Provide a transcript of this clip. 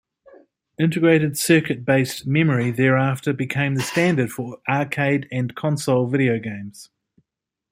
Integrated circuit-based memory thereafter became the standard for arcade and console video games.